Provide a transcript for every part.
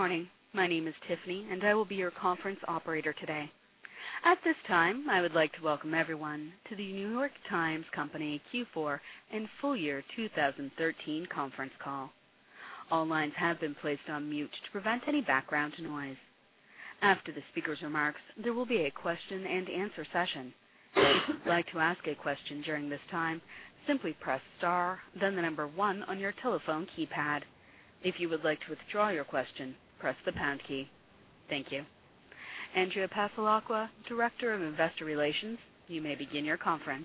Good morning. My name is Tiffany, and I will be your conference operator today. At this time, I would like to welcome everyone to The New York Times Company Q4 and full year 2013 conference call. All lines have been placed on mute to prevent any background noise. After the speaker's remarks, there will be a question and answer session. If you would like to ask a question during this time, simply press star, then the number one on your telephone keypad. If you would like to withdraw your question, press the pound key. Thank you. Andrea Passalacqua, Director of Investor Relations, you may begin your conference.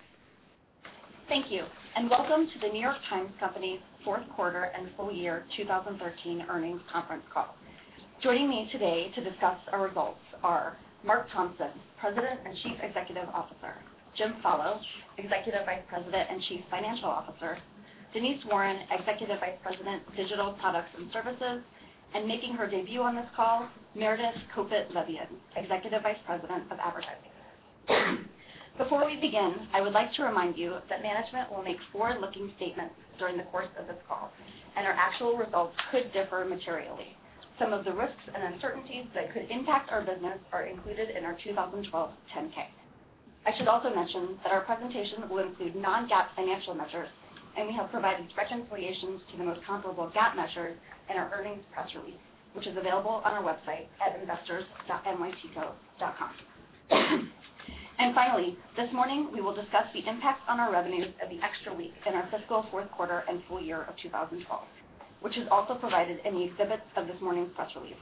Thank you, and welcome to the New York Times Company fourth quarter and full year 2013 earnings conference call. Joining me today to discuss our results are Mark Thompson, President and Chief Executive Officer, Jim Follo, Executive Vice President and Chief Financial Officer, Denise Warren, Executive Vice President, Digital Products and Services, and making her debut on this call, Meredith Kopit Levien, Executive Vice President of Advertising. Before we begin, I would like to remind you that management will make forward-looking statements during the course of this call, and our actual results could differ materially. Some of the risks and uncertainties that could impact our business are included in our 2012 10-K. I should also mention that our presentation will include non-GAAP financial measures, and we have provided such reconciliations to the most comparable GAAP measures in our earnings press release, which is available on our website at investors.nytco.com. Finally, this morning, we will discuss the impact on our revenues of the extra week in our fiscal fourth quarter and full year of 2012, which is also provided in the exhibits of this morning's press release.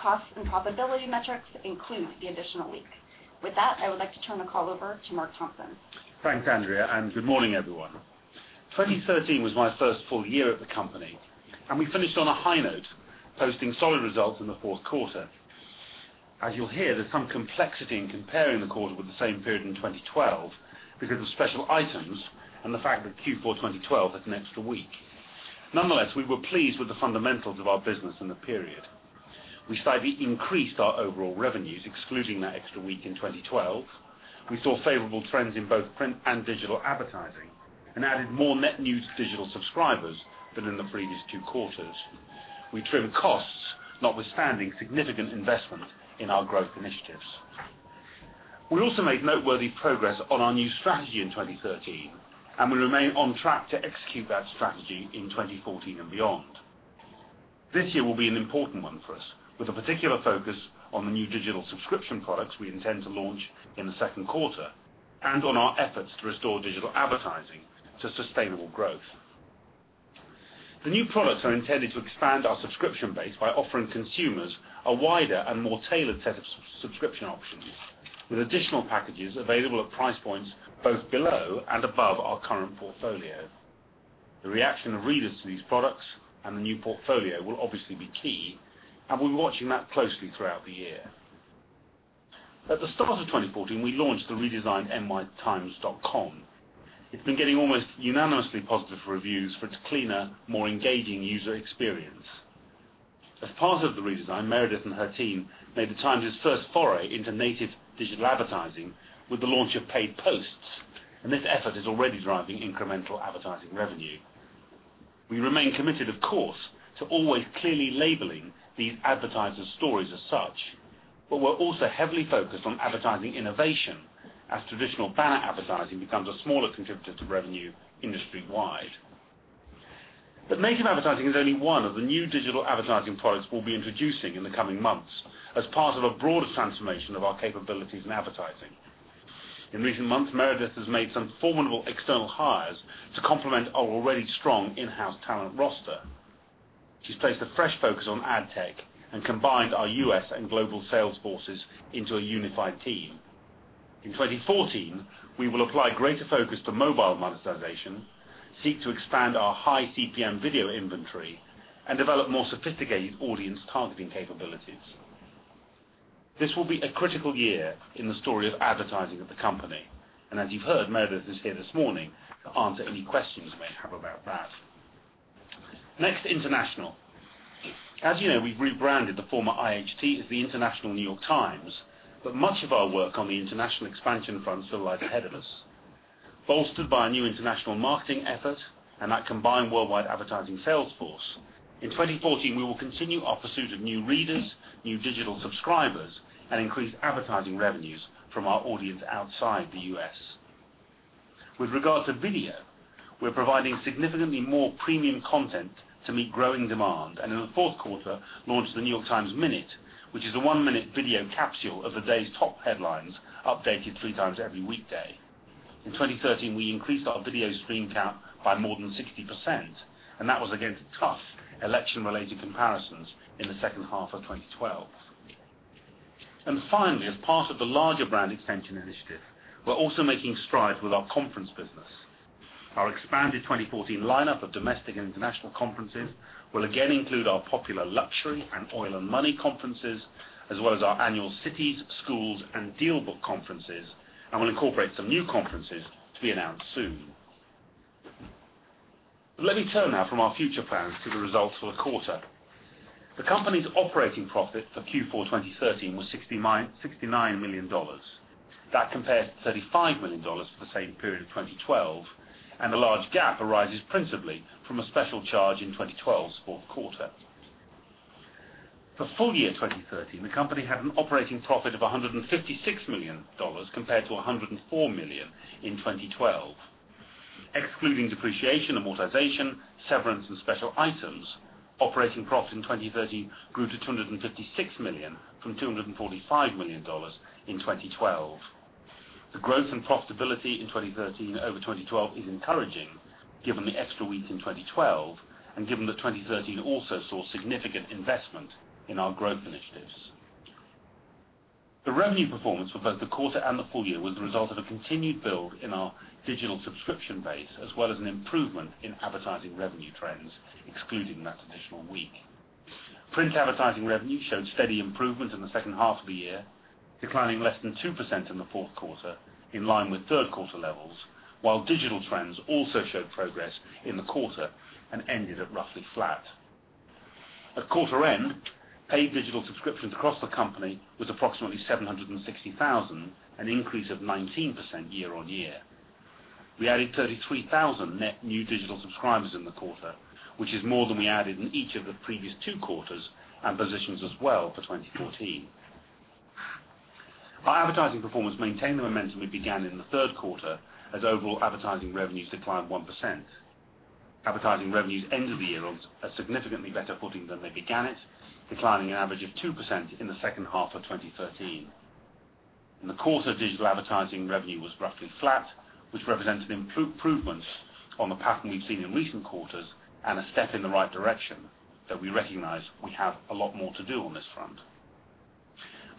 Costs and profitability metrics include the additional week. With that, I would like to turn the call over to Mark Thompson. Thanks, Andrea, and good morning, everyone. 2013 was my first full year at the company, and we finished on a high note, posting solid results in the fourth quarter. As you'll hear, there's some complexity in comparing the quarter with the same period in 2012 because of special items and the fact that Q4 2012 had an extra week. Nonetheless, we were pleased with the fundamentals of our business in the period. We slightly increased our overall revenues, excluding that extra week in 2012. We saw favorable trends in both print and digital advertising and added more net news digital subscribers than in the previous two quarters. We trimmed costs, notwithstanding significant investment in our growth initiatives. We also made noteworthy progress on our new strategy in 2013, and we remain on track to execute that strategy in 2014 and beyond. This year will be an important one for us, with a particular focus on the new digital subscription products we intend to launch in the second quarter and on our efforts to restore digital advertising to sustainable growth. The new products are intended to expand our subscription base by offering consumers a wider and more tailored set of subscription options with additional packages available at price points both below and above our current portfolio. The reaction of readers to these products and the new portfolio will obviously be key, and we'll be watching that closely throughout the year. At the start of 2014, we launched the redesigned nytimes.com. It's been getting almost unanimously positive reviews for its cleaner, more engaging user experience. As part of the redesign, Meredith and her team made the "Times'" first foray into native digital advertising with the launch of Paid Posts, and this effort is already driving incremental advertising revenue. We remain committed, of course, to always clearly labeling these advertiser stories as such, but we're also heavily focused on advertising innovation as traditional banner advertising becomes a smaller contributor to revenue industry-wide. Native advertising is only one of the new digital advertising products we'll be introducing in the coming months as part of a broader transformation of our capabilities in advertising. In recent months, Meredith has made some formidable external hires to complement our already strong in-house talent roster. She's placed a fresh focus on ad tech and combined our U.S. and global sales forces into a unified team. In 2014, we will apply greater focus to mobile monetization, seek to expand our high CPM video inventory, and develop more sophisticated audience targeting capabilities. This will be a critical year in the story of advertising of the company. As you've heard, Meredith is here this morning to answer any questions you may have about that. Next, international. As you know, we've rebranded the former IHT as the International New York Times, but much of our work on the international expansion front still lies ahead of us. Bolstered by a new international marketing effort and that combined worldwide advertising sales force, in 2014, we will continue our pursuit of new readers, new digital subscribers, and increase advertising revenues from our audience outside the U.S. With regard to video, we're providing significantly more premium content to meet growing demand, and in the fourth quarter, launched The New York Times Minute, which is a one-minute video capsule of the day's top headlines, updated three times every weekday. In 2013, we increased our video stream count by more than 60%, and that was against tough election-related comparisons in the second half of 2012. Finally, as part of the larger brand extension initiative, we're also making strides with our conference business. Our expanded 2014 lineup of domestic and international conferences will again include our popular Luxury and Oil & Money conferences, as well as our annual Cities, Schools, and DealBook conferences, and will incorporate some new conferences to be announced soon. Let me turn now from our future plans to the results for the quarter. The company's operating profit for Q4 2013 was $69 million. That compares to $35 million for the same period of 2012, and the large gap arises principally from a special charge in 2012's fourth quarter. For full year 2013, the company had an operating profit of $156 million, compared to $104 million in 2012. Excluding depreciation, amortization, severance, and special items, operating profit in 2013 grew to $256 million from $245 million in 2012. The growth and profitability in 2013 over 2012 is encouraging, given the extra week in 2012 and given that 2013 also saw significant investment in our growth initiatives. The revenue performance for both the quarter and the full year was the result of a continued build in our digital subscription base, as well as an improvement in advertising revenue trends, excluding that additional week. Print advertising revenue showed steady improvement in the second half of the year, declining less than 2% in the fourth quarter in line with third quarter levels, while digital trends also showed progress in the quarter and ended at roughly flat. At quarter end, paid digital subscriptions across the company was approximately 760,000, an increase of 19% year-on-year. We added 33,000 net new digital subscribers in the quarter, which is more than we added in each of the previous two quarters and positions us well for 2014. Our advertising performance maintained the momentum we began in the third quarter, as overall advertising revenues declined 1%. Advertising revenues ended the year on a significantly better footing than they began it, declining an average of 2% in the second half of 2013. In the course of 2013, digital advertising revenue was roughly flat, which represents an improvement on the pattern we've seen in recent quarters and a step in the right direction that we recognize we have a lot more to do on this front.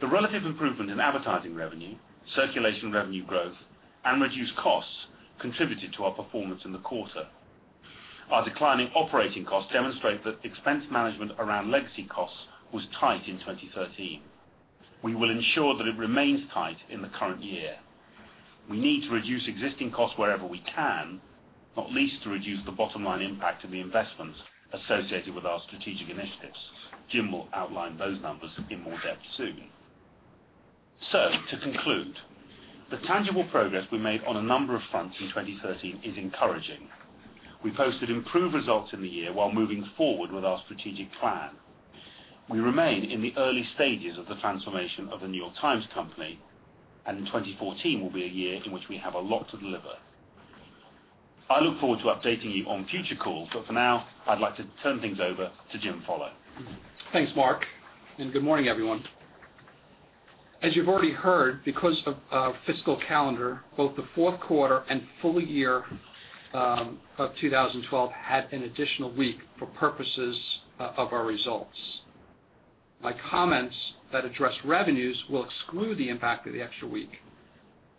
The relative improvement in advertising revenue, circulation revenue growth, and reduced costs contributed to our performance in the quarter. Our declining operating costs demonstrate that expense management around legacy costs was tight in 2013. We will ensure that it remains tight in the current year. We need to reduce existing costs wherever we can, not least to reduce the bottom-line impact of the investments associated with our strategic initiatives. Jim will outline those numbers in more depth soon. To conclude, the tangible progress we made on a number of fronts in 2013 is encouraging. We posted improved results in the year while moving forward with our strategic plan. We remain in the early stages of the transformation of The New York Times Company, and 2014 will be a year in which we have a lot to deliver. I look forward to updating you on future calls, but for now, I'd like to turn things over to Jim Follo. Thanks, Mark, and good morning, everyone. As you've already heard, because of fiscal calendar, both the fourth quarter and full year of 2012 had an additional week for purposes of our results. My comments that address revenues will exclude the impact of the extra week.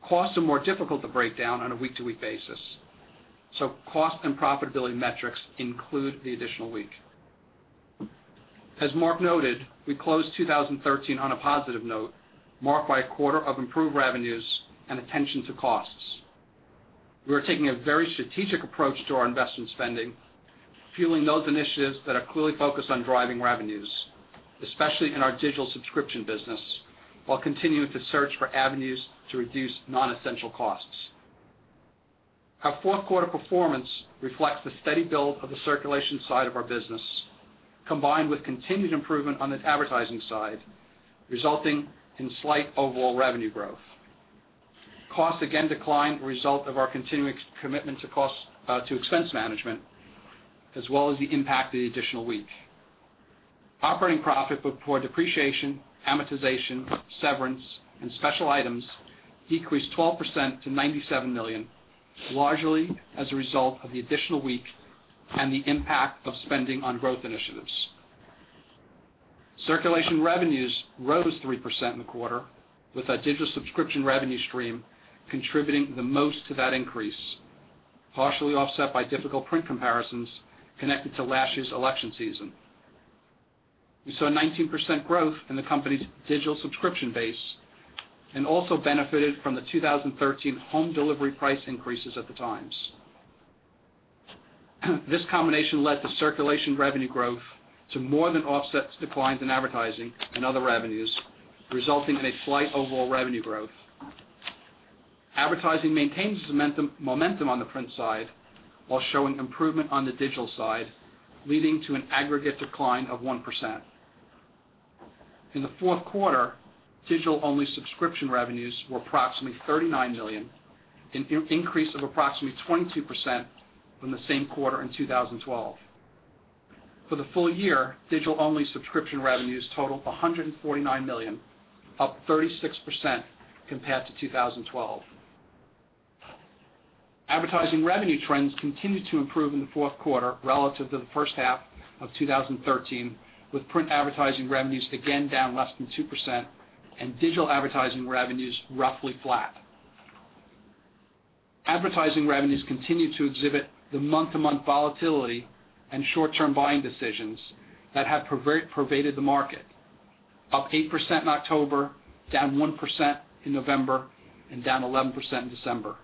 Costs are more difficult to break down on a week-to-week basis, so cost and profitability metrics include the additional week. As Mark noted, we closed 2013 on a positive note, marked by a quarter of improved revenues and attention to costs. We are taking a very strategic approach to our investment spending, fueling those initiatives that are clearly focused on driving revenues, especially in our digital subscription business, while continuing to search for avenues to reduce non-essential costs. Our fourth quarter performance reflects the steady build of the circulation side of our business, combined with continued improvement on the advertising side, resulting in slight overall revenue growth. Costs again declined, a result of our continuing commitment to expense management, as well as the impact of the additional week. Operating profit before depreciation, amortization, severance, and special items decreased 12% to $97 million, largely as a result of the additional week and the impact of spending on growth initiatives. Circulation revenues rose 3% in the quarter, with our digital subscription revenue stream contributing the most to that increase, partially offset by difficult print comparisons connected to last year's election season. We saw a 19% growth in the company's digital subscription base and also benefited from the 2013 home delivery price increases at the Times. This combination led to circulation revenue growth to more than offset declines in advertising and other revenues, resulting in a slight overall revenue growth. Advertising maintains momentum on the print side while showing improvement on the digital side, leading to an aggregate decline of 1%. In the fourth quarter, digital-only subscription revenues were approximately $39 million, an increase of approximately 22% from the same quarter in 2012. For the full year, digital-only subscription revenues totaled $149 million, up 36% compared to 2012. Advertising revenue trends continued to improve in the fourth quarter relative to the first half of 2013, with print advertising revenues again down less than 2% and digital advertising revenues roughly flat. Advertising revenues continued to exhibit the month-to-month volatility and short-term buying decisions that have pervaded the market. Up 8% in October, down 1% in November, and down 11% in December.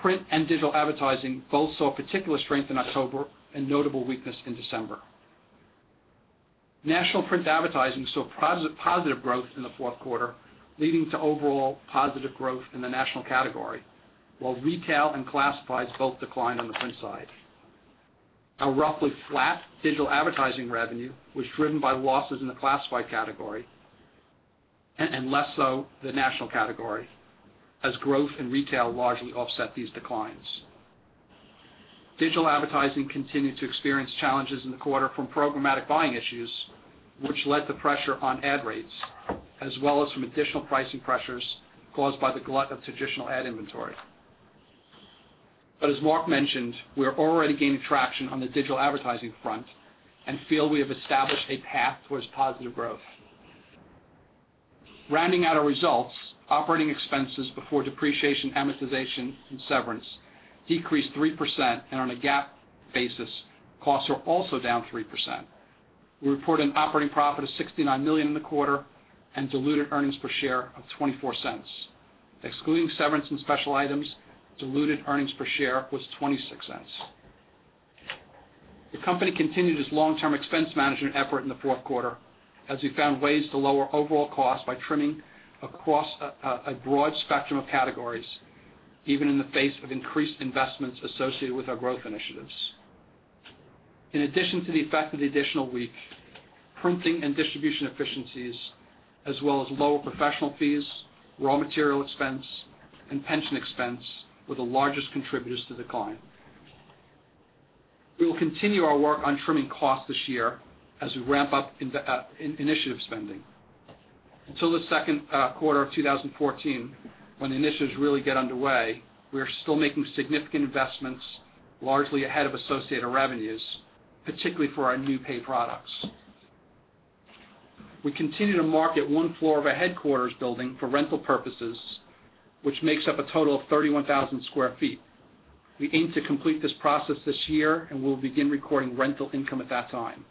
Print and digital advertising both saw particular strength in October and notable weakness in December. National print advertising saw positive growth in the fourth quarter, leading to overall positive growth in the national category, while retail and classifieds both declined on the print side. Our roughly flat digital advertising revenue was driven by losses in the classified category and less so the national category, as growth in retail largely offset these declines. Digital advertising continued to experience challenges in the quarter from programmatic buying issues, which led to pressure on ad rates, as well as from additional pricing pressures caused by the glut of traditional ad inventory. As Mark mentioned, we're already gaining traction on the digital advertising front and feel we have established a path towards positive growth. Rounding out our results, operating expenses before depreciation, amortization, and severance decreased 3%, and on a GAAP basis, costs are also down 3%. We report an operating profit of $69 million in the quarter and diluted earnings per share of $0.24. Excluding severance and special items, diluted earnings per share was $0.26. The company continued its long-term expense management effort in the fourth quarter as we found ways to lower overall costs by trimming across a broad spectrum of categories, even in the face of increased investments associated with our growth initiatives. In addition to the effect of the additional week, printing and distribution efficiencies, as well as lower professional fees, raw material expense, and pension expense were the largest contributors to decline. We will continue our work on trimming costs this year as we ramp up initiative spending. Until the second quarter of 2014, when the initiatives really get underway, we are still making significant investments largely ahead of associated revenues, particularly for our new pay products. We continue to market one floor of our headquarters building for rental purposes, which makes up a total of 31,000 sq ft. We aim to complete this process this year, and we'll begin recording rental income at that time.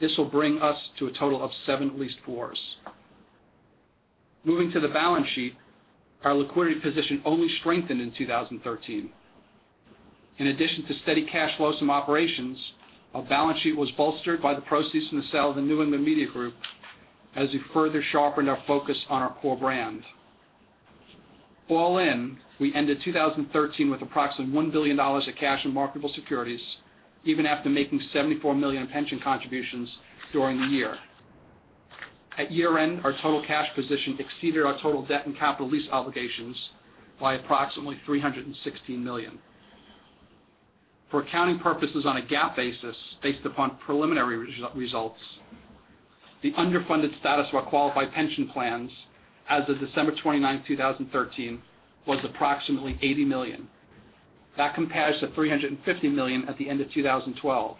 This will bring us to a total of seven leased floors. Moving to the balance sheet, our liquidity position only strengthened in 2013. In addition to steady cash flows from operations, our balance sheet was bolstered by the proceeds from the sale of the New England Media Group as we further sharpened our focus on our core brand. All in, we ended 2013 with approximately $1 billion of cash and marketable securities, even after making $74 million in pension contributions during the year. At year-end, our total cash position exceeded our total debt and capital lease obligations by approximately $316 million. For accounting purposes on a GAAP basis, based upon preliminary results, the underfunded status of our qualified pension plans as of December 29, 2013, was approximately $80 million. That compares to $350 million at the end of 2012.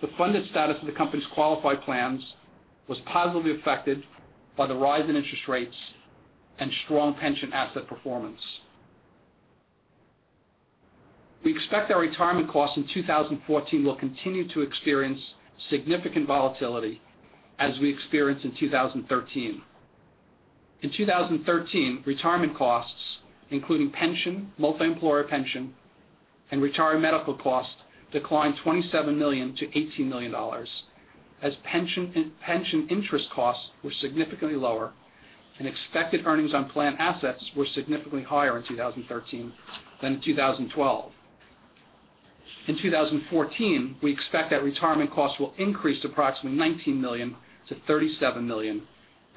The funded status of the company's qualified plans was positively affected by the rise in interest rates and strong pension asset performance. We expect our retirement costs in 2014 will continue to experience significant volatility as we experienced in 2013. In 2013, retirement costs, including pension, multi-employer pension, and retiree medical costs declined $27 million-$18 million, as pension interest costs were significantly lower and expected earnings on plan assets were significantly higher in 2013 than in 2012. In 2014, we expect that retirement costs will increase to approximately $19 million-$37 million,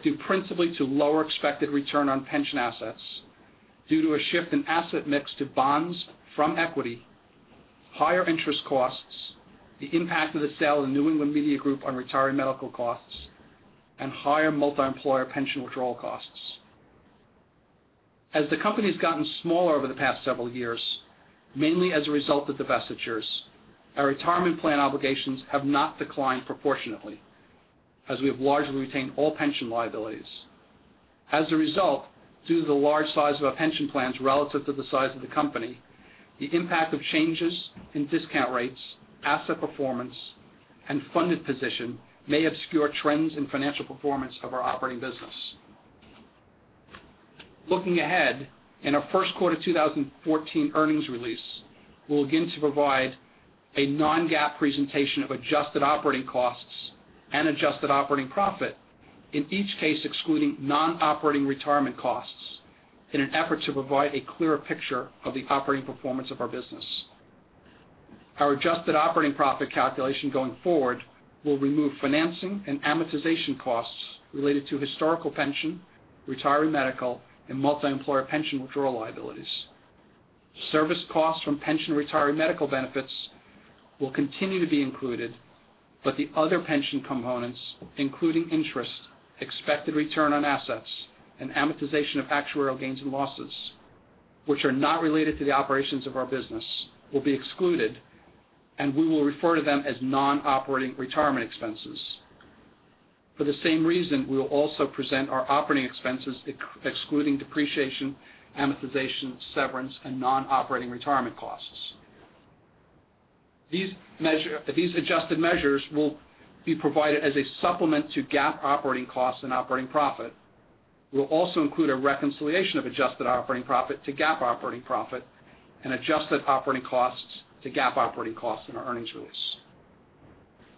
due principally to lower expected return on pension assets due to a shift in asset mix to bonds from equity, higher interest costs, the impact of the sale of the New England Media Group on retiree medical costs, and higher multi-employer pension withdrawal costs. As the company's gotten smaller over the past several years, mainly as a result of divestitures, our retirement plan obligations have not declined proportionately, as we have largely retained all pension liabilities. As a result, due to the large size of our pension plans relative to the size of the company, the impact of changes in discount rates, asset performance, and funded position may obscure trends in financial performance of our operating business. Looking ahead, in our first quarter 2014 earnings release, we'll begin to provide a non-GAAP presentation of adjusted operating costs and adjusted operating profit, in each case excluding non-operating retirement costs in an effort to provide a clearer picture of the operating performance of our business. Our adjusted operating profit calculation going forward will remove financing and amortization costs related to historical pension, retiree medical, and multi-employer pension withdrawal liabilities. Service costs from pension retiree medical benefits will continue to be included, but the other pension components, including interest, expected return on assets, and amortization of actuarial gains and losses, which are not related to the operations of our business, will be excluded, and we will refer to them as non-operating retirement expenses. For the same reason, we will also present our operating expenses excluding depreciation, amortization, severance, and non-operating retirement costs. These adjusted measures will be provided as a supplement to GAAP operating costs and operating profit. We'll also include a reconciliation of adjusted operating profit to GAAP operating profit and adjusted operating costs to GAAP operating costs in our earnings release.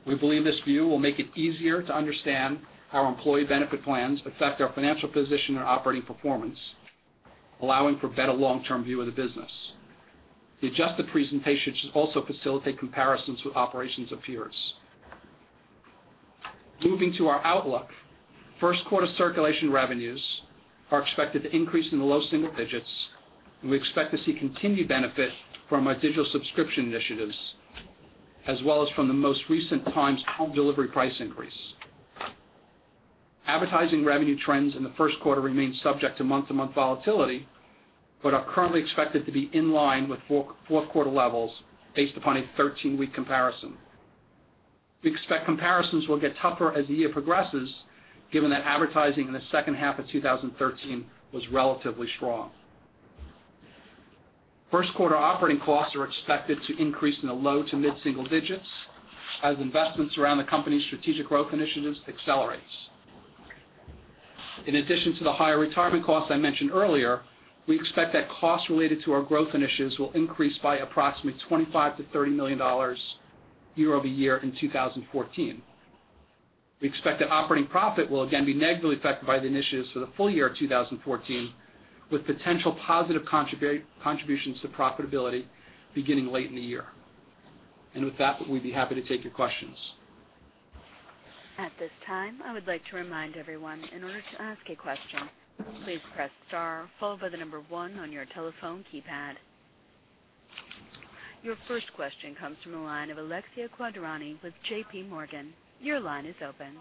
We believe this view will make it easier to understand how employee benefit plans affect our financial position and operating performance, allowing for better long-term view of the business. The adjusted presentation should also facilitate comparisons with operations of peers. Moving to our outlook. First quarter circulation revenues are expected to increase in the low single digits, and we expect to see continued benefit from our digital subscription initiatives, as well as from the most recent Times home delivery price increase. Advertising revenue trends in the first quarter remain subject to month-to-month volatility, but are currently expected to be in line with fourth quarter levels based upon a 13-week comparison. We expect comparisons will get tougher as the year progresses, given that advertising in the second half of 2013 was relatively strong. First quarter operating costs are expected to increase in the low to mid-single digits as investments around the company's strategic growth initiatives accelerates. In addition to the higher retirement costs I mentioned earlier, we expect that costs related to our growth initiatives will increase by approximately $25 million-$30 million year-over-year in 2014. We expect that operating profit will again be negatively affected by the initiatives for the full year of 2014, with potential positive contributions to profitability beginning late in the year. With that, we'd be happy to take your questions. At this time, I would like to remind everyone, in order to ask a question, please press star followed by the number one on your telephone keypad. Your first question comes from the line of Alexia Quadrani with J.P. Morgan. Your line is open.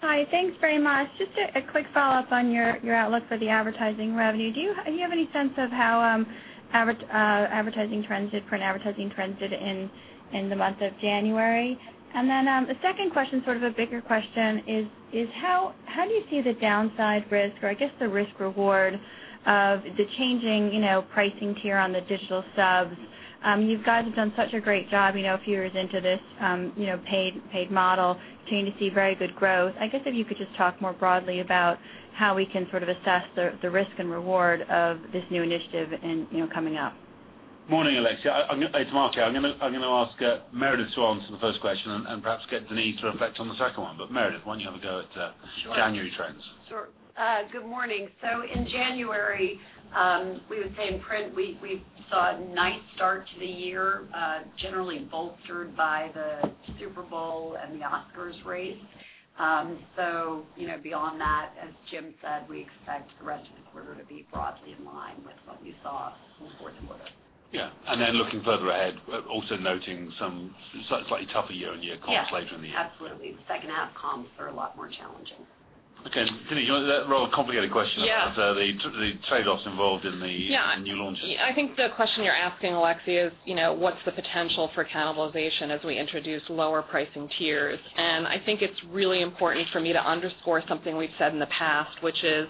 Hi. Thanks very much. Just a quick follow-up on your outlook for the advertising revenue. Do you have any sense of how advertising trends did, print advertising trends did in the month of January? The second question, sort of a bigger question is how do you see the downside risk, or I guess the risk reward of the changing pricing tier on the digital subs? You guys have done such a great job, a few years into this paid model, continuing to see very good growth. I guess if you could just talk more broadly about how we can sort of assess the risk and reward of this new initiative coming up. Morning, Alexia. It's Mark here. I'm going to ask Meredith to answer the first question and perhaps get Denise to reflect on the second one. Meredith, why don't you have a go at January trends? Sure. Good morning. In January, we would say in print, we saw a nice start to the year, generally bolstered by the Super Bowl and the Oscars race. Beyond that, as Jim said, we expect the rest of the quarter to be broadly in line with what we saw in the fourth quarter. Yeah. Looking further ahead, also noting some slightly tougher year-on-year comps later in the year. Yeah. Absolutely. The second half comps are a lot more challenging. Okay. Denise, do you want to take that rather complicated question about the trade-offs involved in the new launches? Yeah. I think the question you're asking, Alexia, is what's the potential for cannibalization as we introduce lower pricing tiers? I think it's really important for me to underscore something we've said in the past, which is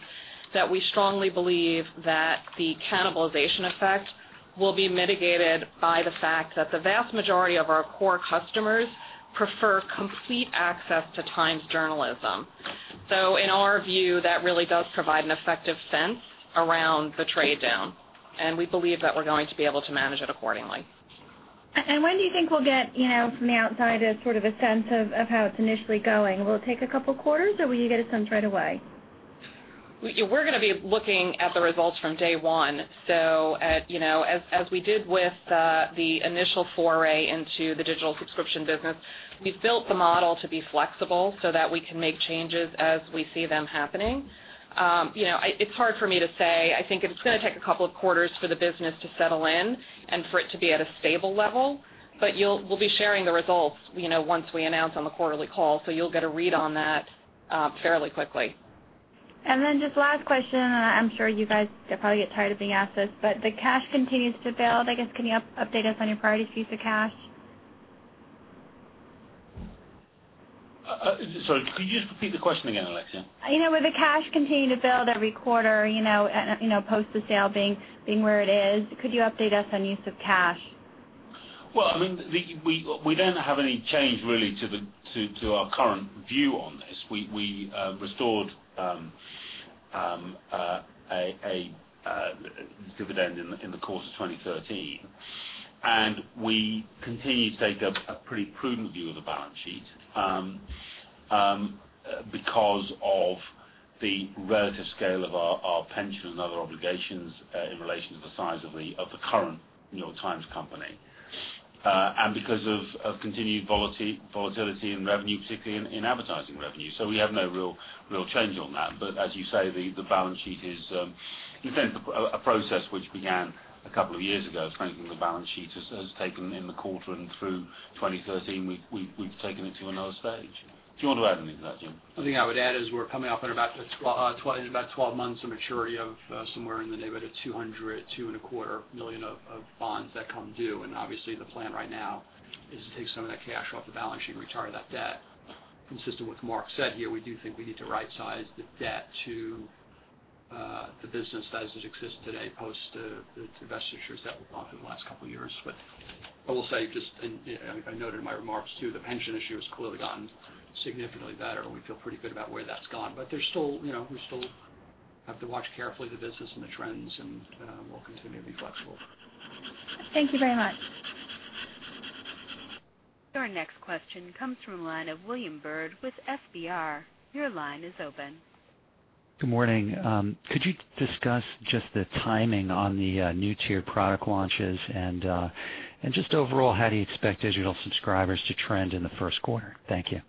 that we strongly believe that the cannibalization effect will be mitigated by the fact that the vast majority of our core customers prefer complete access to Times journalism. In our view, that really does provide an effective sense around the trade down, and we believe that we're going to be able to manage it accordingly. When do you think we'll get, from the outside, a sort of a sense of how it's initially going? Will it take a couple of quarters, or will you get a sense right away? We're going to be looking at the results from day one. As we did with the initial foray into the digital subscription business, we've built the model to be flexible so that we can make changes as we see them happening. It's hard for me to say. I think it's going to take a couple of quarters for the business to settle in and for it to be at a stable level. We'll be sharing the results once we announce on the quarterly call, so you'll get a read on that fairly quickly. Just last question, and I'm sure you guys probably get tired of being asked this, but the cash continues to build. I guess, can you update us on your priorities for use of cash? Sorry, could you just repeat the question again, Alexia? With the cash continuing to build every quarter, post the sale being where it is, could you update us on use of cash? Well, I mean, we don't have any change really to our current view on this. We restored a dividend in the course of 2013, and we continue to take a pretty prudent view of the balance sheet because of the relative scale of our pension and other obligations in relation to the size of the current Times Company, and because of continued volatility in revenue, particularly in advertising revenue. We have no real change on that. As you say, the balance sheet is in a sense a process which began a couple of years ago. Frankly, the balance sheet has strengthened in the quarter and through 2013, we've taken it to another stage. Do you want to add anything to that, Jim? The only thing I would add is we're coming up in about 12-months of maturity of somewhere in the neighborhood of $200 million-$225 million of bonds that come due, and obviously, the plan right now is to take some of that cash off the balance sheet and retire that debt. Consistent with what Mark said here, we do think we need to rightsize the debt to the business as it exists today post the divestiture issues that we've gone through the last couple of years. But I will say, just, and I noted in my remarks, too, the pension issue has clearly gotten significantly better. We feel pretty good about where that's gone. But we still have to watch carefully the business and the trends, and we'll continue to be flexible. Thank you very much. Our next question comes from the line of William Bird with FBR. Your line is open. Good morning. Could you discuss just the timing on the new tiered product launches? Just overall, how do you expect digital subscribers to trend in the first quarter? Thank you.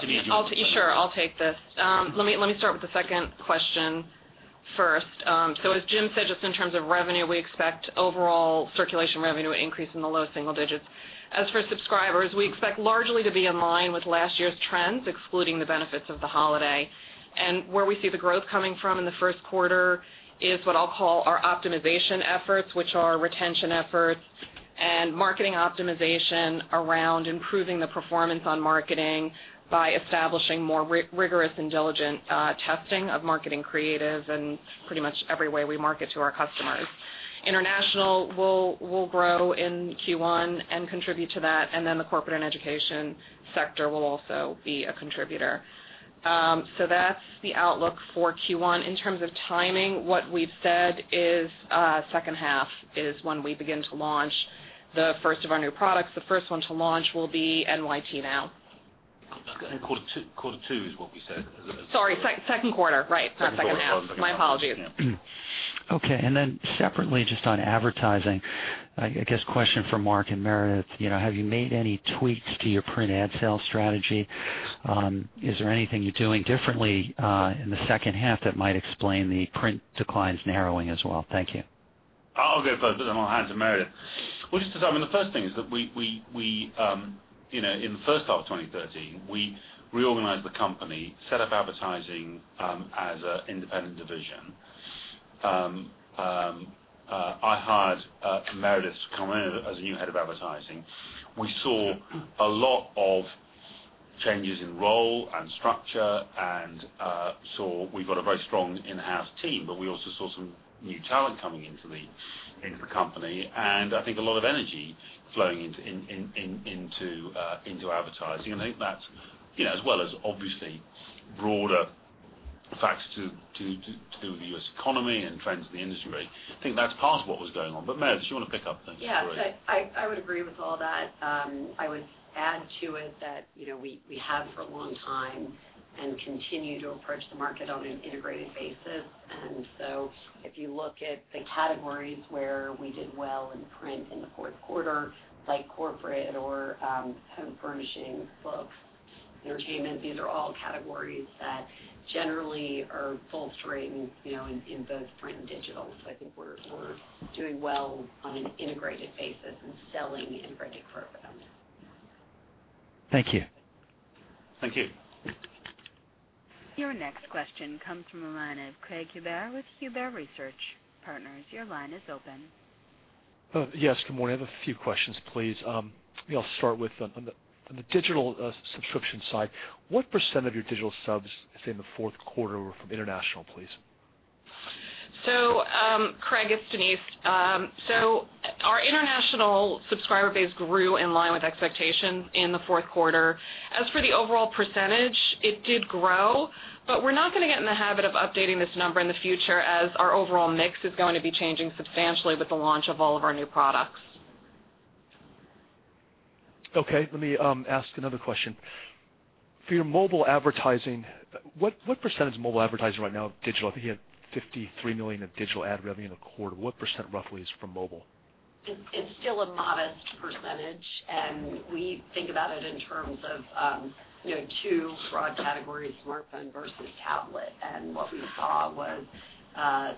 Denise, do you want to. Sure. I'll take this. Let me start with the second question first. As Jim said, just in terms of revenue, we expect overall circulation revenue to increase in the low single digits. As for subscribers, we expect largely to be in line with last year's trends, excluding the benefits of the holiday. Where we see the growth coming from in the first quarter is what I'll call our optimization efforts, which are retention efforts and marketing optimization around improving the performance on marketing by establishing more rigorous and diligent testing of marketing creative and pretty much every way we market to our customers. International will grow in Q1 and contribute to that, and then the corporate and education sector will also be a contributor. That's the outlook for Q1. In terms of timing, what we've said is second half is when we begin to launch the first of our new products. The first one to launch will be NYT Now. I think quarter two is what we said. Sorry. Second quarter. Right. Not second half. Second quarter. My apologies. Okay. Separately, just on advertising, I guess question for Mark and Meredith, have you made any tweaks to your print ad sales strategy? Is there anything you're doing differently in the second half that might explain the print declines narrowing as well? Thank you. I'll go first, but then I'll hand to Meredith. Well, just to start with the first thing is that in the first half of 2013, we reorganized the company, set up advertising as an independent division. I hired Meredith to come in as the new head of advertising. We saw a lot of changes in roles and structure and saw we've got a very strong in-house team, but we also saw some new talent coming into the company and I think a lot of energy flowing into advertising. I think that's, as well as obviously broader factors in the U.S. economy and trends in the industry, I think that's part of what was going on. Meredith, do you want to pick up then? Sorry. Yeah. I would agree with all that. I would add to it that we have for a long time and continue to approach the market on an integrated basis. If you look at the categories where we did well in print in the fourth quarter, like corporate or home furnishings, books, entertainment, these are all categories that generally are full strength in both print and digital. I think we're doing well on an integrated basis and selling integrated programs. Thank you. Thank you. Your next question comes from the line of Craig Huber with Huber Research Partners. Your line is open. Yes. Good morning. I have a few questions, please. Maybe I'll start with, on the digital subscription side, what percent of your digital subs, say, in the fourth quarter were from international, please? Craig, it's Denise. Our international subscriber base grew in line with expectations in the fourth quarter. As for the overall percentage, it did grow, but we're not going to get in the habit of updating this number in the future as our overall mix is going to be changing substantially with the launch of all of our new products. Okay. Let me ask another question. For your mobile advertising, what percentage of mobile advertising right now is digital? I think you had $53 million in digital ad revenue in the quarter. What percent roughly is from mobile? It's still a modest percentage, and we think about it in terms of two broad categories, smartphone versus tablet. What we saw was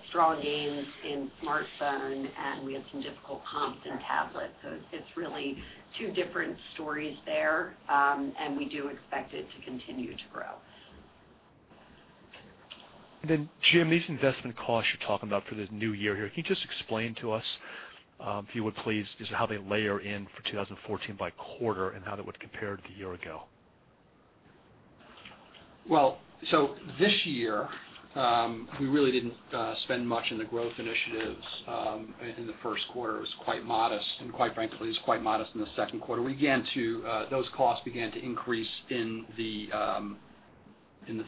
strong gains in smartphone, and we had some difficult comps in tablet. It's really two different stories there, and we do expect it to continue to grow. Jim, these investment costs you're talking about for this new year here, can you just explain to us, if you would please, just how they layer in for 2014 by quarter and how that would compare to a year ago? Well, this year, we really didn't spend much in the growth initiatives in the first quarter. It was quite modest and quite frankly, it was quite modest in the second quarter. Those costs began to increase in the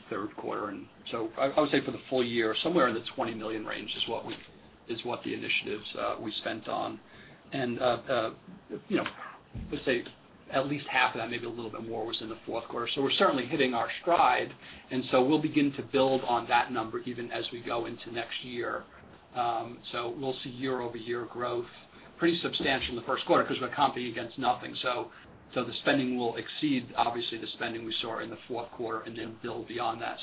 third quarter. I would say for the full year, somewhere in the $20 million range is what the initiatives we spent on and, let's say at least half of that, maybe a little bit more was in the fourth quarter. We're certainly hitting our stride, and so we'll begin to build on that number even as we go into next year. We'll see year-over-year growth pretty substantial in the first quarter because we're competing against nothing. The spending will exceed, obviously, the spending we saw in the fourth quarter and then build beyond that.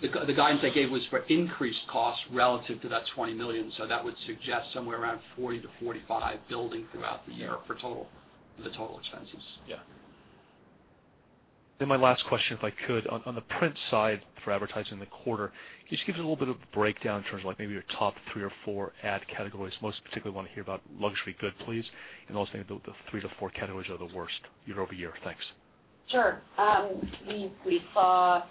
The guidance I gave was for increased costs relative to that $20 million. That would suggest somewhere around $40 billion-$45 billion throughout the year for the total expenses. Yeah. My last question, if I could. On the print side for advertising in the quarter, can you just give us a little bit of breakdown in terms of like maybe your top three or four ad categories? Most particularly want to hear about luxury good, please, and also maybe the three to four categories that are the worst year-over-year. Thanks. Sure. We saw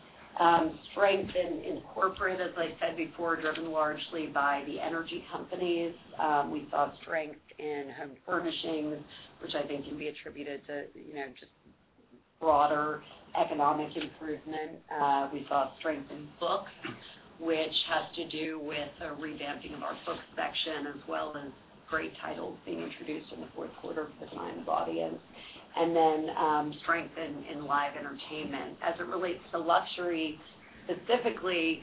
strength in corporated, like I said before, driven largely by the energy companies. We saw strength in home furnishings, which I think can be attributed to just broader economic improvement. We saw strength in books, which has to do with a revamping of our books section, as well as great titles being introduced in the fourth quarter to the Times audience, and then strength in live entertainment. As it relates to luxury specifically,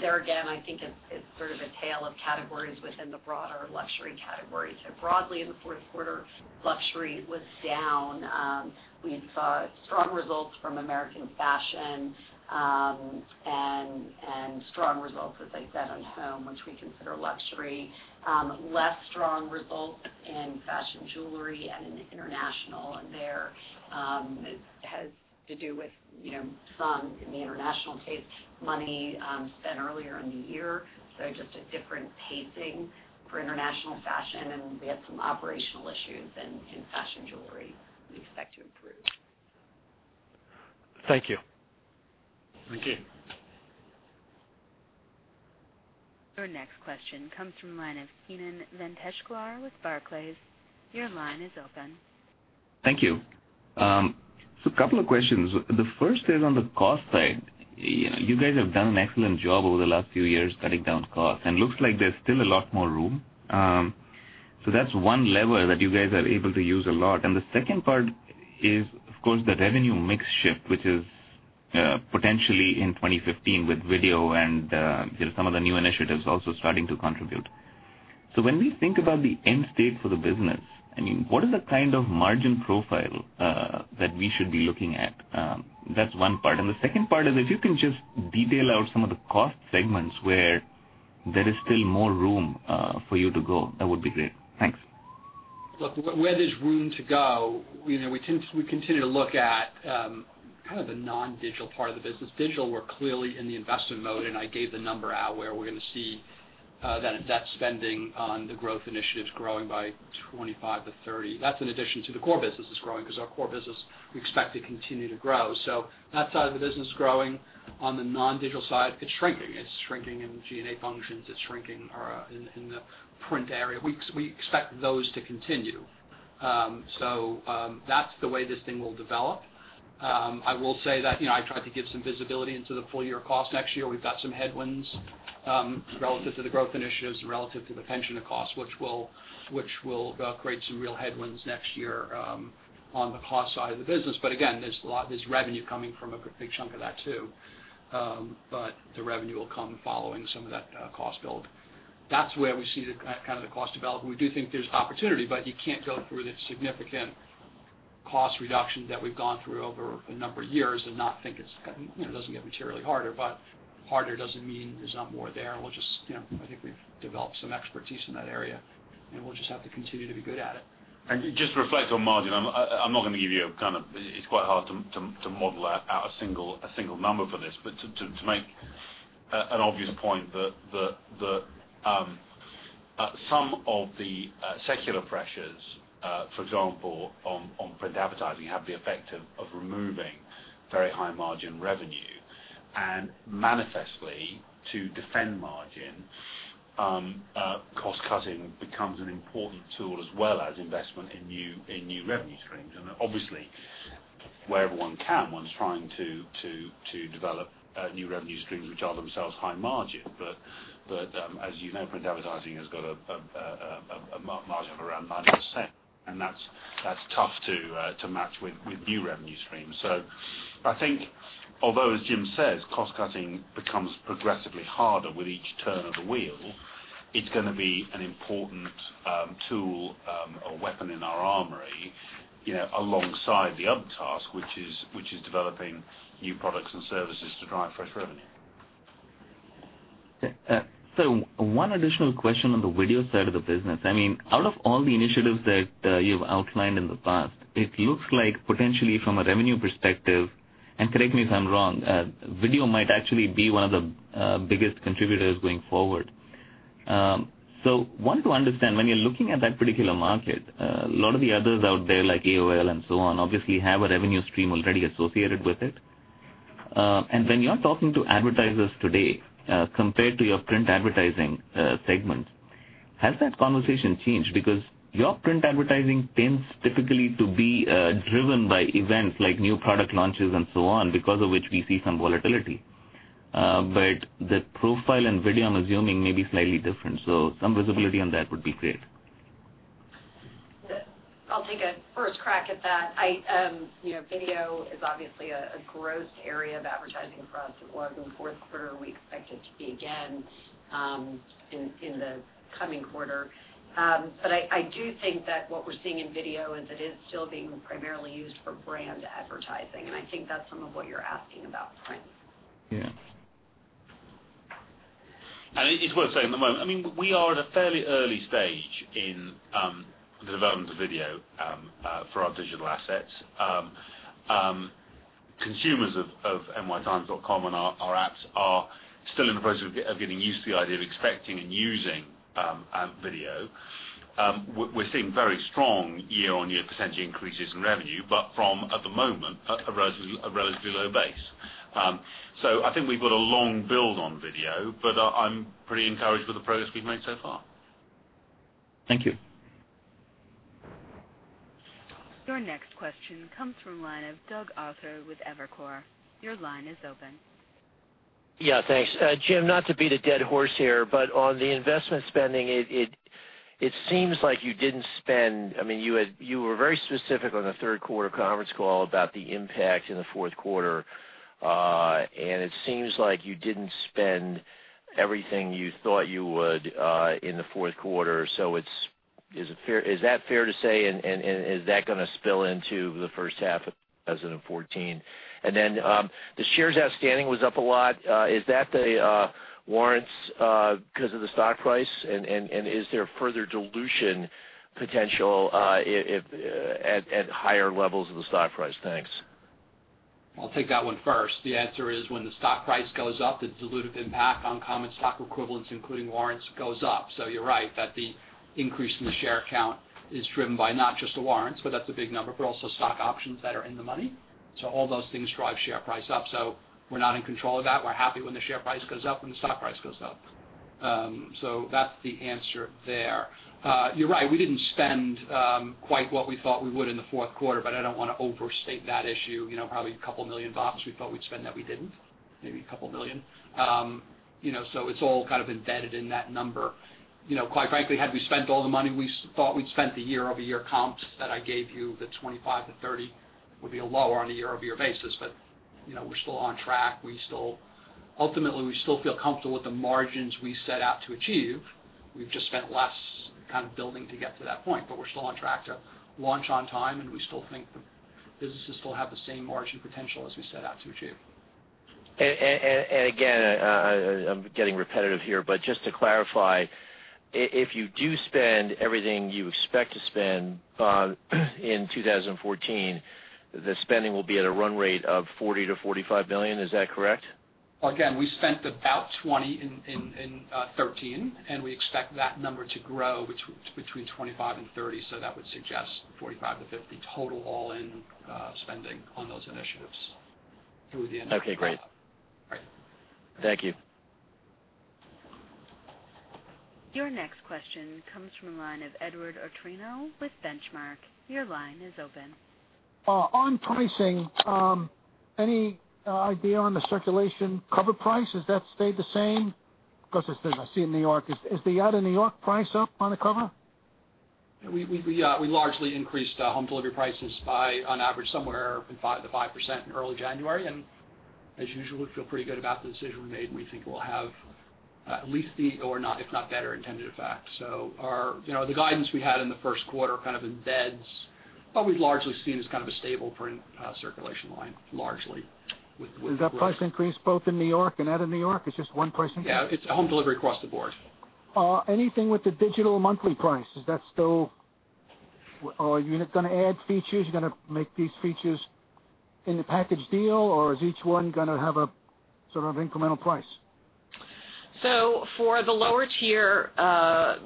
there again, I think it's sort of a tale of categories within the broader luxury category. Broadly in the fourth quarter, luxury was down. We saw strong results from American fashion, and strong results, as I said, on home, which we consider luxury. Less strong results in fashion jewelry and in international. There, it has to do with some in the international case, money spent earlier in the year. Just a different pacing for international fashion. We had some operational issues in fashion jewelry we expect to improve. Thank you. Thank you. Your next question comes from the line of Kannan Venkateshwar with Barclays. Your line is open. Thank you. A couple of questions. The first is on the cost side. You guys have done an excellent job over the last few years cutting down costs, and looks like there's still a lot more room. That's one lever that you guys are able to use a lot. The second part is, of course, the revenue mix shift, which is potentially in 2015 with video and some of the new initiatives also starting to contribute. When we think about the end state for the business, what is the kind of margin profile that we should be looking at? That's one part, and the second part is if you can just detail out some of the cost segments where there is still more room for you to go. That would be great. Thanks. Look, where there's room to go, we continue to look at kind of the non-digital part of the business. Digital, we're clearly in the investment mode, and I gave the number out where we're going to see that spending on the growth initiatives growing by 25%-30%. That's in addition to the core business that's growing, because our core business, we expect to continue to grow. That side of the business growing. On the non-digital side, it's shrinking. It's shrinking in G&A functions. It's shrinking in the print area. We expect those to continue. That's the way this thing will develop. I will say that I tried to give some visibility into the full-year cost next year. We've got some headwinds relative to the growth initiatives, relative to the pension costs, which will create some real headwinds next year on the cost side of the business. Again, there's revenue coming from a big chunk of that, too. The revenue will come following some of that cost build. That's where we see the kind of the cost develop. We do think there's opportunity, but you can't go through the significant cost reduction that we've gone through over a number of years and not think it doesn't get materially harder. Harder doesn't mean there's not more there, and I think we've developed some expertise in that area, and we'll just have to continue to be good at it. Just reflect on margin. I'm not going to give you kind of, it's quite hard to model out a single number for this. To make an obvious point that some of the secular pressures for example, on print advertising, have the effect of removing very high margin revenue. Manifestly, to defend margin, cost-cutting becomes an important tool as well as investment in new revenue streams. Obviously, wherever one can, one's trying to develop new revenue streams which are themselves high margin. As you know, print advertising has got a margin of around 90%, and that's tough to match with new revenue streams. I think although, as Jim says, cost-cutting becomes progressively harder with each turn of the wheel, it's going to be an important tool or weapon in our armory, alongside the other task, which is developing new products and services to drive fresh revenue. One additional question on the video side of the business. Out of all the initiatives that you've outlined in the past, it looks like potentially from a revenue perspective, and correct me if I'm wrong, video might actually be one of the biggest contributors going forward. Want to understand, when you're looking at that particular market, a lot of the others out there, like AOL and so on, obviously have a revenue stream already associated with it. When you're talking to advertisers today, compared to your print advertising segment, has that conversation changed? Because your print advertising tends typically to be driven by events like new product launches and so on, because of which we see some volatility. The profile in video, I'm assuming, may be slightly different. Some visibility on that would be great. I'll take a first crack at that. Video is obviously a growth area of advertising for us. It was in the fourth quarter. We expect it to be again in the coming quarter. I do think that what we're seeing in video is it is still being primarily used for brand advertising, and I think that's some of what you're asking about, right? Yeah. It is worth saying at the moment, we are at a fairly early stage in the development of video for our digital assets. Consumers of nytimes.com and our apps are still in the process of getting used to the idea of expecting and using video. We're seeing very strong year-on-year percentage increases in revenue, but from, at the moment, a relatively low base. I think we've got a long build on video, but I'm pretty encouraged with the progress we've made so far. Thank you. Your next question comes from the line of Doug Arthur with Evercore. Your line is open. Yeah, thanks. Jim, not to beat a dead horse here, but on the investment spending, it seems like you didn't spend. You were very specific on the third quarter conference call about the impact in the fourth quarter. It seems like you didn't spend everything you thought you would in the fourth quarter. Is that fair to say, and is that going to spill into the first half of 2014? Then, the shares outstanding was up a lot. Is that the warrants because of the stock price, and is there further dilution potential at higher levels of the stock price? Thanks. I'll take that one first. The answer is when the stock price goes up, the dilutive impact on common stock equivalents, including warrants, goes up. You're right that the increase in the share count is driven by not just the warrants, but that's a big number, but also stock options that are in the money. All those things drive share price up. We're not in control of that. We're happy when the share price goes up, when the stock price goes up. That's the answer there. You're right, we didn't spend quite what we thought we would in the fourth quarter, but I don't want to overstate that issue. Probably $2 million bucks we thought we'd spend that we didn't. Maybe $2 million. It's all kind of embedded in that number. Quite frankly, had we spent all the money we thought we'd spent, the year-over-year comps that I gave you, the 25%-30% would be lower on a year-over-year basis. We're still on track. Ultimately, we still feel comfortable with the margins we set out to achieve. We've just spent less kind of building to get to that point. We're still on track to launch on time, and we still think the businesses still have the same margin potential as we set out to achieve. Again, I'm getting repetitive here, but just to clarify, if you do spend everything you expect to spend in 2014, the spending will be at a run rate of $40 billion-$45 billion. Is that correct? Again, we spent about $20 in 2013, and we expect that number to grow 25%-30%. That would suggest $45-$50 total all-in spending on those initiatives through the end of the year. Okay, great. All right. Thank you. Your next question comes from the line of Edward Atorino with Benchmark. Your line is open. On pricing, any idea on the circulation cover price? Has that stayed the same? Because I see in New York, is the out-of-New York price up on the cover? We largely increased home delivery prices by on average somewhere to 5% in early January. As usual, we feel pretty good about the decision we made, and we think we'll have at least, if not better, intended effect. The guidance we had in the first quarter kind of embeds what we largely see as kind of a stable print circulation line, largely with-. Is that price increase both in New York and out of New York? It's just one pricing? Yeah, it's home delivery across the board. Anything with the digital monthly price? Are you going to add features? Are you going to make these features in the package deal, or is each one going to have a sort of incremental price? For the lower tier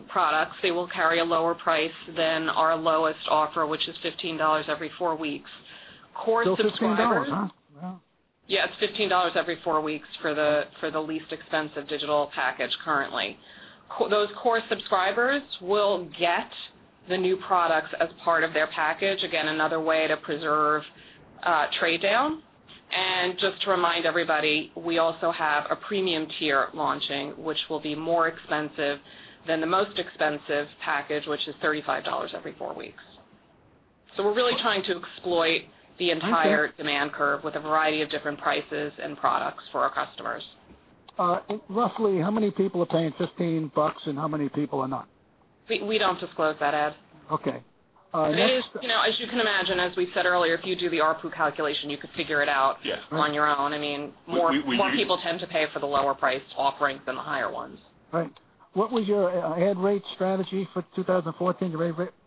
products, they will carry a lower price than our lowest offer, which is $15 every four weeks. Core subscribers-. Still $15, huh? Wow. Yeah, it's $15 every four weeks for the least expensive digital package currently. Those core subscribers will get the new products as part of their package, again, another way to preserve trade down. Just to remind everybody, we also have a premium tier launching, which will be more expensive than the most expensive package, which is $35 every four weeks. We're really trying to exploit the entire demand curve with a variety of different prices and products for our customers. Roughly how many people are paying $15 and how many people are not? We don't disclose that, Ed. Okay. As you can imagine, as we said earlier, if you do the ARPU calculation, you could figure it out. Yes. On your own. More people tend to pay for the lower priced offerings than the higher ones. Right. What was your ad rate strategy for 2014?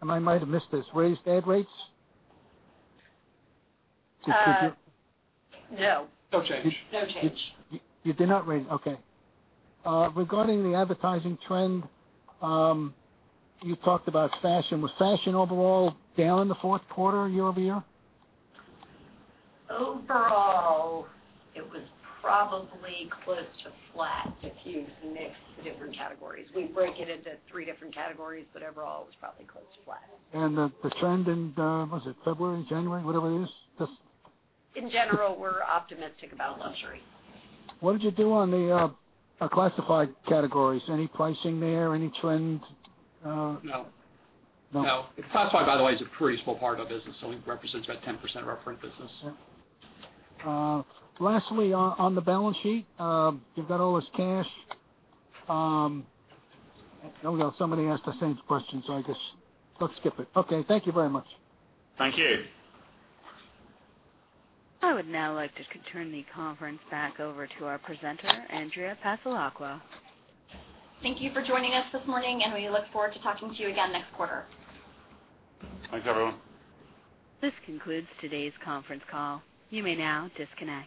I might have missed this. Raised ad rates? No. No change. No change. You did not raise. Okay. Regarding the advertising trend, you talked about fashion. Was fashion overall down in the fourth quarter year-over-year? Overall, it was probably close to flat if you mix the different categories. We break it into three different categories, but overall, it was probably close to flat. The trend in, was it February, January, whatever it is? Just-. In general, we're optimistic about luxury. What did you do on the classified categories? Any pricing there? Any trends? No. No. No. Classified, by the way, is a pretty small part of our business. It represents about 10% of our print business. Lastly, on the balance sheet, you've got all this cash. There we go. Somebody asked the same question, so I guess let's skip it. Okay, thank you very much. Thank you. I would now like to turn the conference back over to our presenter, Andrea Passalacqua. Thank you for joining us this morning, and we look forward to talking to you again next quarter. Thanks, everyone. This concludes today's conference call. You may now disconnect.